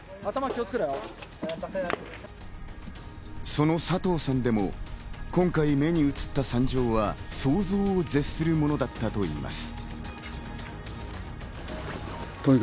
その佐藤さんでも今回、目に映った惨状は想像を絶するものだったといいます。